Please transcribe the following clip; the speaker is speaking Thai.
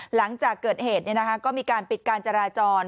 หลังจากเกิดเหตุก็มีการปิดการจราจร